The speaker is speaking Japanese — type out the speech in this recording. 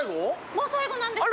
もう最後なんです。